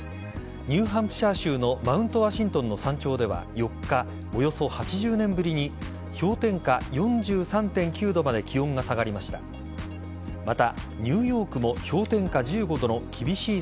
ニューハンプシャー州のマウント・ワシントンの山頂では４日、およそ８０年ぶりに氷点下４３．９度まで気温が下がりました。